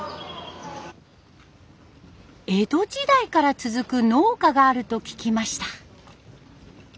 江戸時代から続く農家があると聞きました。